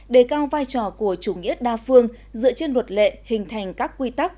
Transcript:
đề cao vai trò của chủ nghĩa đa phương dựa trên luật lệ hình thành các quy tắc